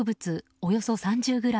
およそ３０ｇ